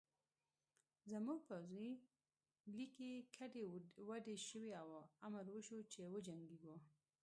زموږ پوځي لیکې ګډې وډې شوې او امر وشو چې وجنګېږو